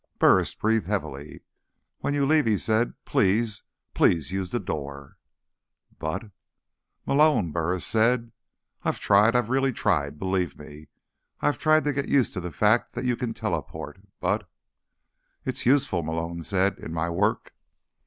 Burris breathed heavily. "When you leave," he said, "please, please use the door." "But—" "Malone," Burris said, "I've tried. I've really tried. Believe me. I've tried to get used to the fact that you can teleport. But—" "It's useful," Malone said, "in my work."